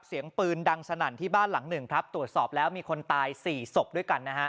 เสียงปืนดังสนั่นที่บ้านหลังหนึ่งครับตรวจสอบแล้วมีคนตายสี่ศพด้วยกันนะฮะ